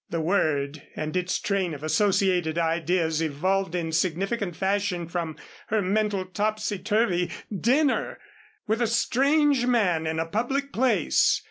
The word and its train of associated ideas evolved in significant fashion from her mental topsy turvy. Dinner! With a strange man in a public place!